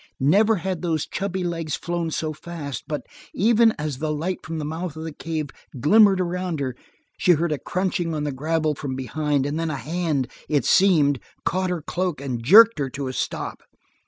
Never had those chubby legs flown so fast, but even as the light from the mouth of the cave glimmered around her, she heard a crunching on the gravel from behind, and then a hand, it seemed, caught her cloak and jerked her to a stop.